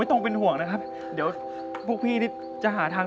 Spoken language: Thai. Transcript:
พี่ป๋องครับผมเคยไปที่บ้านผีคลั่งมาแล้ว